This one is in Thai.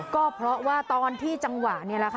ก็เพราะว่าตอนที่จังหวะนี้